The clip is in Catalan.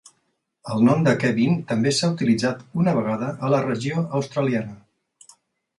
El nom de Kevin també s'ha utilitzat una vegada a la regió australiana.